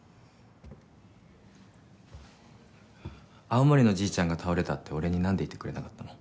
青森のじいちゃんが倒れたって俺になんで言ってくれなかったの？